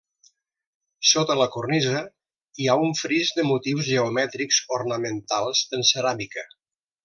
Sota la cornisa hi ha un fris de motius geomètrics ornamentals en ceràmica.